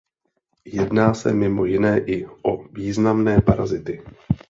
Jedná se mimo jiné i o významné parazity.